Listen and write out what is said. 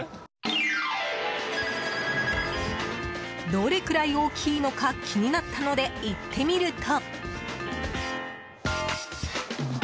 どれくらい大きいのか気になったので行ってみると。